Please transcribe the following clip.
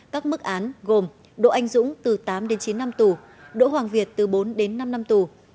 các mức án gồm đỗ anh dũng từ tám đến chín năm tù đỗ hoàng việt từ bốn đến năm năm tù